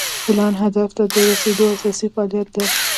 پلان هدف ته د رسیدو اساسي فعالیت دی.